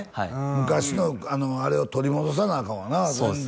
昔のあれを取り戻さなあかんわなそうですね